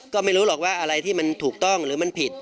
ก็ไม่รู้หรอกว่าอะไรที่มันถูกต้องหรือมันผิด